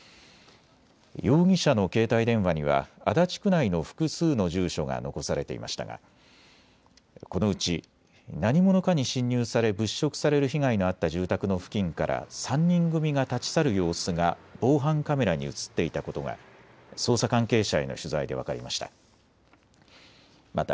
容疑者の携帯電話には足立区内の複数の住所が残されていましたがこのうち何者かに侵入され物色される被害のあった住宅の付近から３人組が立ち去る様子が防犯カメラに写っていたことが捜査関係者への取材で分かりました。